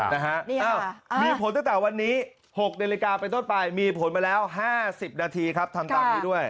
นะฮะมีผลตั้งแต่วันนี้๖นาฬิกาเป็นต้นไปมีผลมาแล้ว๕๐นาทีครับทำตามนี้ด้วย